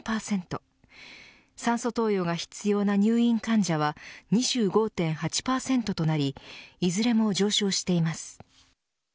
酸素投与が必要な入院患者は２５．８％となりいずれも上昇しています。